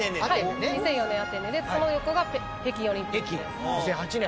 ２００４年アテネでその横が北京オリンピックです。